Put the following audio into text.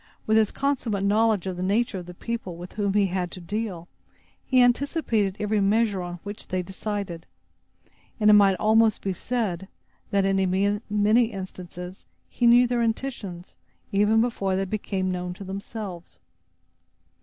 With his consummate knowledge of the nature of the people with whom he had to deal, he anticipated every measure on which they decided; and it might almost be said, that, in many instances, he knew their intentions, even before they became known to themselves.